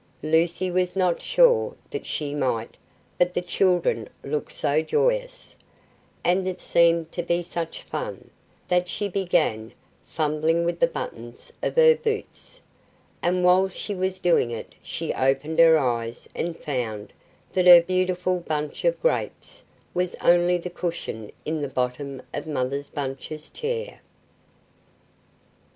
Lucy was not sure that she might, but the children looked so joyous, and it seemed to be such fun, that she began fumbling with the buttons of her boots, and while she was doing it she opened her eyes, and found that her beautiful bunch of grapes was only the cushion in the bottom of Mother Bunch's chair.